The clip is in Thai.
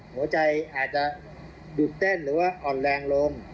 หัวใจอาจจะดูดเต้นหรือว่าอ่อนแรงลง